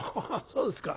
そうですか。